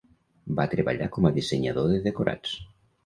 Va treballar com a dissenyador de decorats.